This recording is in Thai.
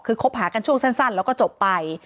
คือคบหากันช่วงสั้นแล้วก็จบไป